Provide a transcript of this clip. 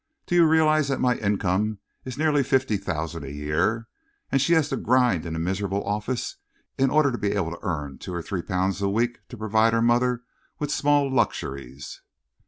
"Do you realise that my income is nearly fifty thousand a year, and she has to grind in a miserable office, in order to be able to earn two or three pounds a week to provide her mother with small luxuries?"